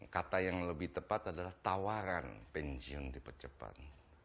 kata yang lebih tepat adalah tawaran pensiun dipercepat